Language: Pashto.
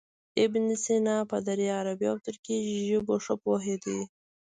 ابن سینا په دري، عربي او ترکي ژبو ښه پوهېده.